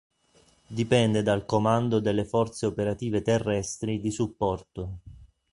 Dipende dal Comando delle Forze Operative Terrestri di Supporto.